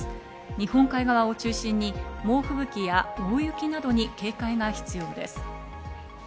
日本海側を中心に猛吹雪や大雪などに警戒が必要です。